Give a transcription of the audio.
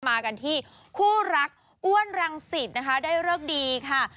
มากันที่คู่รักอ้วนรังสิตนะคะได้เลิกดีค่ะ